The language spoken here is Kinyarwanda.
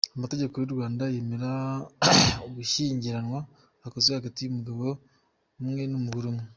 Amategeko y’u Rwanda yemera ugushyingiranwa gukozwe hagati y’umugabo umwe n’umugore umwe.